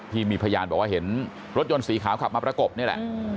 ที่มีพยานบอกว่าเห็นรถยนต์สีขาวขับมาประกบนี่แหละ